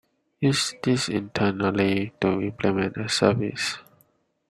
Use this internally to implement a service.